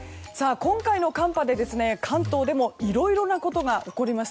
今回の寒波で関東でもいろいろなことが起こりました。